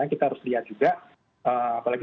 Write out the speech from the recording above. kita harus lihat juga apalagi